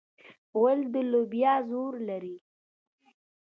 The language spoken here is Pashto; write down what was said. غول د لوبیا زور لري.